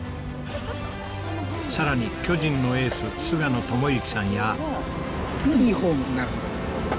さらに巨人のエース菅野智之さんや。